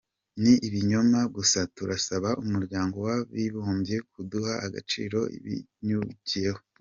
Ni ibinyoma gusa, turasaba umuryango w’Abibumbye kudaha agaciro ibiyikubiyemo”.